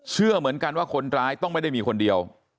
เชื่อเหมือนกันว่าคนร้ายต้องไม่ได้มีคนเดียว